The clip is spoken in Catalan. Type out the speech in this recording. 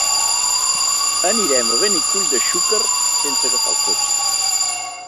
Anirem a Benicull de Xúquer sense agafar el cotxe.